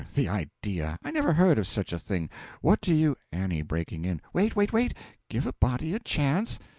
The idea! I never heard of such a thing! What do you A. (Breaking in.) Wait, wait, wait! give a body a chance.